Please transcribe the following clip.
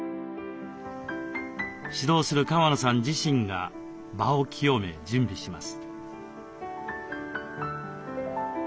指導する川野さん自身が場を清め準備します。